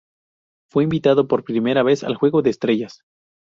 Fue invitado por primera vez al Juego de Estrellas.